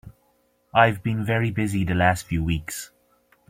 I've been very busy the last few weeks.